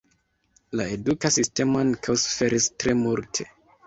La eduka sistemo ankaŭ suferis tre multe.